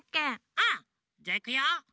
うんじゃあいくよ。